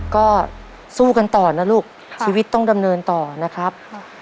ก็สู้กันต่อนะลูกชีวิตต้องดำเนินต่อนะครับ